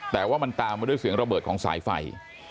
แต่ว่ามันตามมาด้วยเสียงระเบิดของสายไฟ